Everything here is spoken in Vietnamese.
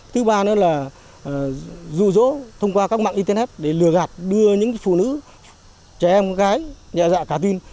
tư ba nữa là dụ dỗ thông qua các mạng itnh để lừa gạt đưa những phụ nữ trẻ em gái dạ dạ cá tin